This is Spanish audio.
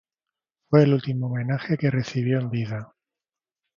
Fue el último homenaje que recibió en vida.